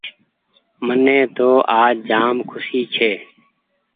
مني تو آج جآم کوسي ڇي۔